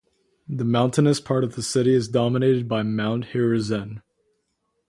The mountainous part of the city is dominated by Mount Hiruzen.